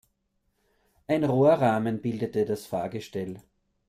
Ein Rohrrahmen bildete das Fahrgestell.